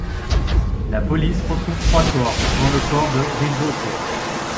La police retrouve trois corps, dont le corps de Rizzotto.